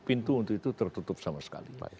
pintu untuk itu tertutup sama sekali